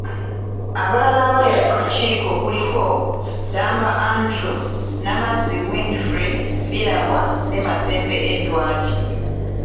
Abalala abali ku kakiiko kuliko; Ddamba Andrew, Namazzi Windfred Birabwa ne Masembe Edward.